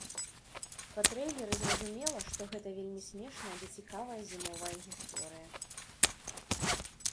Па трэйлеры зразумела, што гэта вельмі смешная ды цікавая зімовая гісторыя.